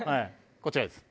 こちらです。